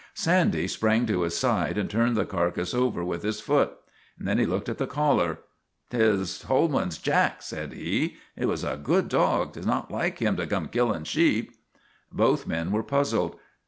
Sandy sprang to his side and turned the carcass over with his foot. Then he looked at the collar. " J T is Holman's Jack," said he. " He was a good dog; 'twas not like him to come killin' sheep." Both men were puzzled.